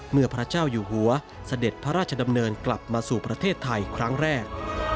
พระเจ้าอยู่หัวเสด็จพระราชดำเนินกลับมาสู่ประเทศไทยครั้งแรก